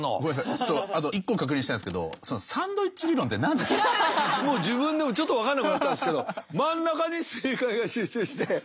ちょっとあと一個確認したいんですけど自分でもちょっと分からなくなったんですけど真ん中に正解が集中して。